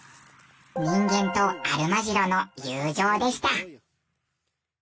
人間とアルマジロの友情でした。